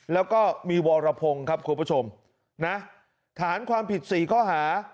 แล้วก็มีวรพงศ์ครับคุณผู้ชมนะฐานความผิด๔ข้อหา